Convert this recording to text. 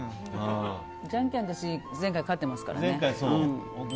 じゃんけん私、前回勝っていますからね。